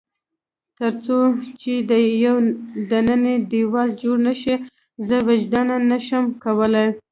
تر څو چې یو دننی دېوال جوړ نه شي، زه وجداناً نه شم کولای.